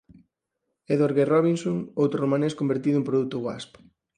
Edward G. Robinson, outro romanés convertido en produto wasp.